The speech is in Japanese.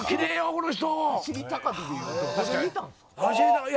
この人。